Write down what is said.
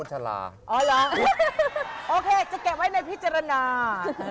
โอเคจะเก็บไว้ในพิจารณา